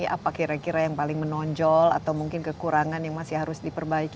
apa kira kira yang paling menonjol atau mungkin kekurangan yang masih harus diperbaiki